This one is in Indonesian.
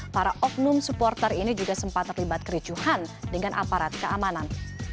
para oknum supporter ini juga sempat terlibat kericuhan dengan aparat keamanan